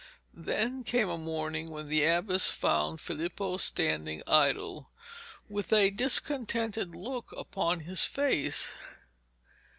Then came a morning when the abbess found Filippo standing idle, with a discontented look upon his face.